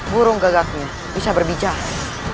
burung gagaknya bisa berbicara